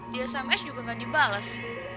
di sms juga nggak dibalas